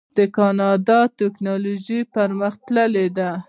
د کاناډا ټیکنالوژي پرمختللې ده.